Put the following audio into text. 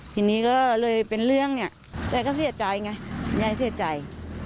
ทีนี้ก็เลยเป็นเรื่องเนี่ยยายก็เสียใจไงยายเสียใจ